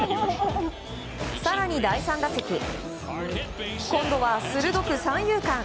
更に第３打席今度は鋭く三遊間。